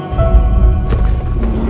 gila terus announcements muat vera yang dispositif